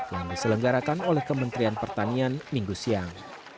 yang diselenggarakan oleh kementerian pertanian minggu siang